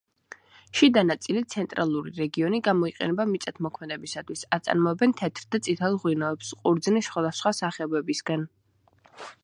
შიდა ნაწილი, ცენტრალური რეგიონი გამოიყენება მიწათმოქმედებისათვის, აწარმოებენ თეთრ და წითელ ღვინოებს, ყურძნის სხვადასხვა სახეობებისგან.